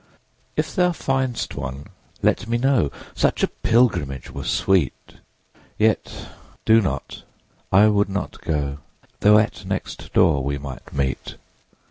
If thou find'st one, let me know; Such a pilgrimage were sweet. 20 Yet do not; I would not go, Though at next door we might meet.